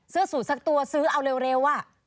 สูตรสักตัวซื้อเอาเร็ว